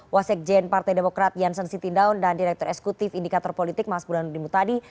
wasekjen partai demokrat janssen siti daun dan direktur eksekutif indikator politik mas buranudin butadi